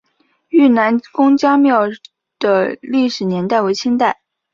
愈南公家庙的历史年代为清代。